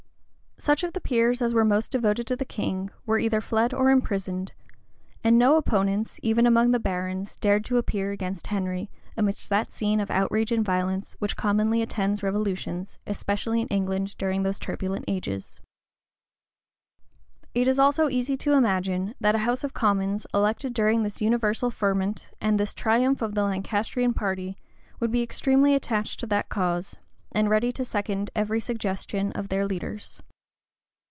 Such of the peers as were most devoted to the king, were either fled or imprisoned; and no opponents, even among the barons, dared to appear against Henry, amidst that scene of outrage and violence which commonly attends revolutions, especially in England during those turbulent ages, It is also easy to imagine, that a house of commons, elected during this universal ferment, and this triumph of the Lancastrian party, would be extremely attached to that cause, and ready to second every suggestion of their leaders.